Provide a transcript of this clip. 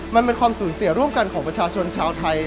มันเป็นความสูญเสียร่วมกันของประชาชนชาวไทย